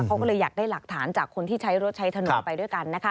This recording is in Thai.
เขาก็เลยอยากได้หลักฐานจากคนที่ใช้รถใช้ถนนไปด้วยกันนะคะ